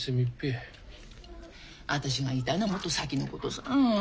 あたしが言いたいのはもっと先のことさ。